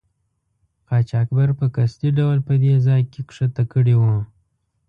قاچاقبر په قصدي ډول په دې ځای کې ښکته کړي وو.